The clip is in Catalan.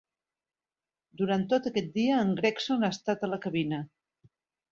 Durant tot aquest dia en Gregson ha estat a la cabina.